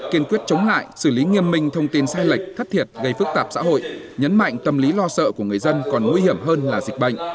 kiên quyết chống lại xử lý nghiêm minh thông tin sai lệch thất thiệt gây phức tạp xã hội nhấn mạnh tâm lý lo sợ của người dân còn nguy hiểm hơn là dịch bệnh